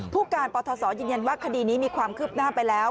ผู้การปทศยืนยันว่าคดีนี้มีความคืบหน้าไปแล้ว